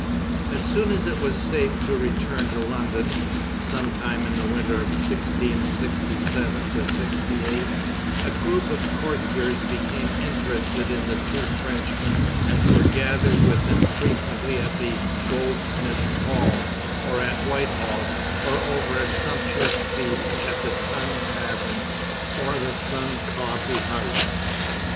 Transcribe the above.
As soon as it was safe to return to London some time in the winter of 1667 68 a group of courtiers became interested in the two Frenchmen, and forgathered with them frequently at the Goldsmiths' hall, or at Whitehall, or over a sumptuous feast at the Tun tavern or the Sun coffee house.